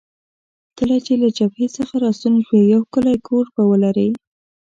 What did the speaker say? کله چې له جبهې څخه راستون شوې، یو ښکلی کور به ولرې.